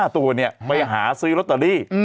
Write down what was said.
๖๕ตัวนี่ไปหาซื้อรอตอรี